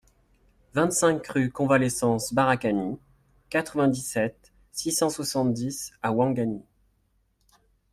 vingt-cinq rUE CONVALESCENCE BARAKANI, quatre-vingt-dix-sept, six cent soixante-dix à Ouangani